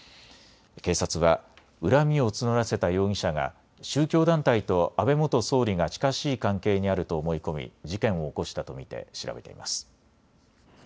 警察は恨みを募らせた容疑者が宗教団体と安倍元総理が近しい関係にあると思い込み事件を起こしたと見て調べています。